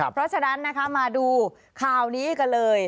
เพราะฉะนั้นนะคะมาดูข่าวนี้กันเลย